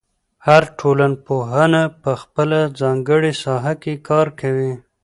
هر ټولنپوه په خپله ځانګړې ساحه کې کار کوي.